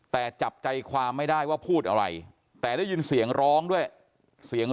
แต่จับใจความไม่ได้ว่าพูดอะไรแต่ได้ยินเสียงร้องด้วยเสียง